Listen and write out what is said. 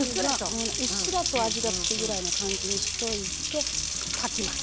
うっすらと味が付くぐらいの感じにしといてかきます。